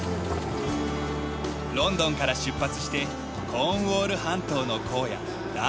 ロンドンから出発してコーンウォール半島の荒野ダートムーア。